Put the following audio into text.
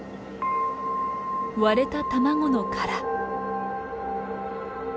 割れた卵の殻。